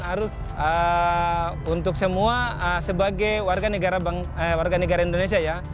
harus untuk semua sebagai warga negara indonesia ya